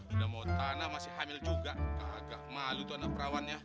udah mau tanah masih hamil juga agak malu itu anak perawannya